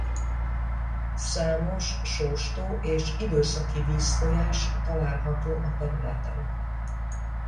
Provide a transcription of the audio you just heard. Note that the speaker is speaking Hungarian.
Számos sóstó és időszaki vízfolyás található a területen.